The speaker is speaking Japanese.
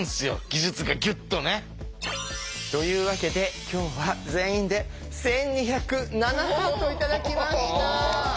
技術がギュッとね。というわけで今日は全員で１２０７ハート頂きました。